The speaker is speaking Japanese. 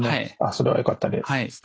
それはよかったです。